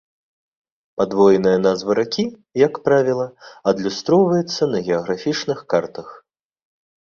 Падвойная назва ракі, як правіла, адлюстроўваецца на геаграфічных картах.